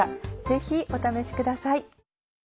ぜひお試しください。